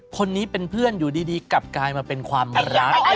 คนนี้เป็นเพื่อนอยู่ดีกลับกลายมาเป็นความรัก